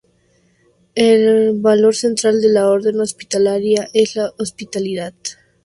El valor central de la Orden Hospitalaria es la hospitalidad.